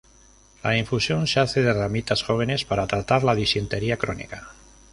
La infusión se hace de ramitas jóvenes para tratar la disentería crónica.